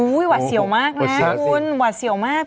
หวัดเสี่ยวมากนะคุณหวัดเสี่ยวมาก